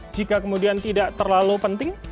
jika kemudian tidak terlalu penting